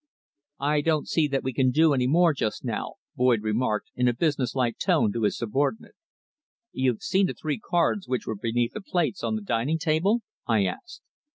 "I don't see that we can do any more just now," Boyd remarked in a business like tone to his subordinate. "You've seen the three cards which were beneath the plates on the dining table?" I asked.